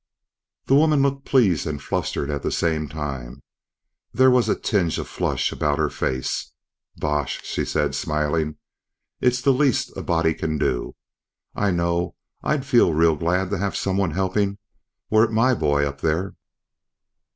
The woman looked pleased and flustered at the same time; there was a tinge of flush about her face. "Bosh," she said, smiling. "It's the least a body can do. I know I'd feel real glad to have someone helping, were it my boy up there."